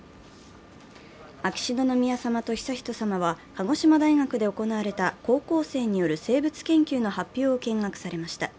秋篠宮さまと悠仁さまは鹿児島大学で行われた高校生による生物研究の発表を見学されました。